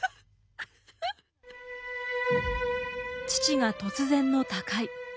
父が突然の他界。